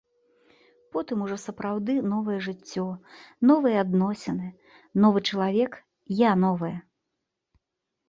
Потым ужо сапраўды новае жыццё, новыя адносіны, новы чалавек, я новая.